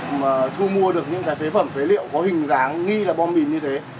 khi gặp những trường hợp thu mua được những cái phế phẩm phế liệu có hình dáng nghi là bom bìm như thế